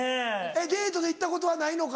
デートで行ったことはないのか？